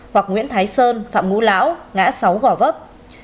hoặc nguyễn thái sơn phạm ngũ lão ngã sáu gò vấp